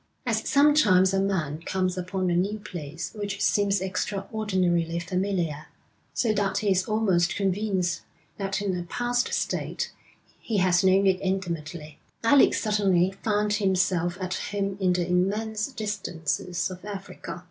As sometimes a man comes upon a new place which seems extraordinarily familiar, so that he is almost convinced that in a past state he has known it intimately, Alec suddenly found himself at home in the immense distances of Africa.